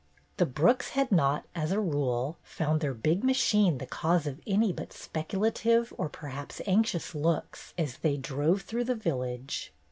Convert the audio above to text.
The Brooks had not, as a rule, found their big machine the cause of any but speculative or perhaps anxious looks as they drove through the village.